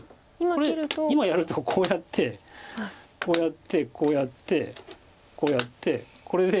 これ今やるとこうやってこうやってこうやってこうやってこれで。